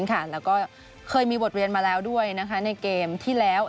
แล้วก็เคยมีบทเรียนมาแล้วด้วยในเกมที่แล้ว